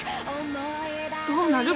どうなる？